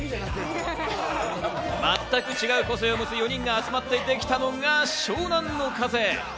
全く違う個性を持つ４人が集まってできたのが湘南乃風。